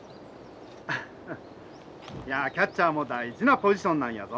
いやキャッチャーも大事なポジションなんやぞ。